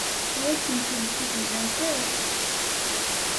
Ur asent-t-id-mlant ara.